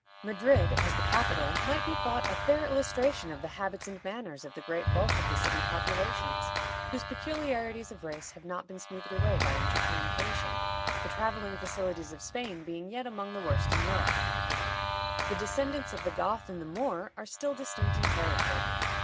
Madrid, as the capital, might be thought a fair illustration of the habits and manners of the great bulk of the city populations, whose peculiarities of race have not been smoothed away by intercommunication, the traveling facilities of Spain being yet among the worst in Europe. The descendants of the Goth and the Moor are still distinct in character.